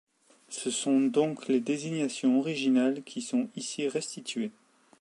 Ce sont donc les désignations originales qui sont ici restituées.